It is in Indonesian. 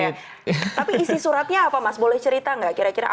tapi isi suratnya apa mas boleh cerita nggak